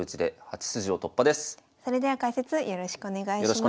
それでは解説よろしくお願いします。